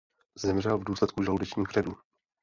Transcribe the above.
Zemřel v důsledku žaludečních vředů.